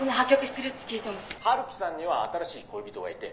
「陽樹さんには新しい恋人がいて」。